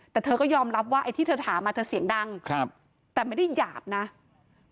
แต่เธอก็ยอมรับว่าไอ้ที่เธอถามอ่ะเธอเสียงดังครับแต่ไม่ได้หยาบนะ